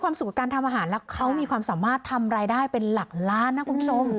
เขามีความสามารถทำรายได้เป็นหลักล้านนะคุณผู้ชม